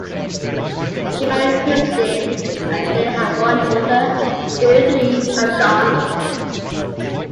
He married Christine and they had one daughter, Deirdre MacDonald.